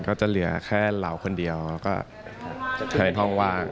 ก็จะเหลือแค่เราคนเดียวแล้วก็ใช้ท่องว่า